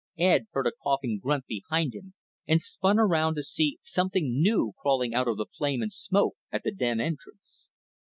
Ed heard a coughing grunt behind him and spun around to see something new crawling out of the flame and smoke at the den entrance.